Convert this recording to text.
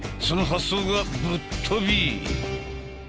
その発想がぶっ飛び！